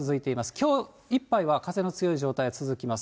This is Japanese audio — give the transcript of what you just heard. きょういっぱいは風の強い状態続きます。